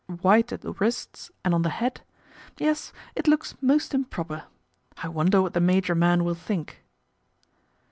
" White at the wrists and on the hat, yes, it looks most improper. I wonder what the major man will think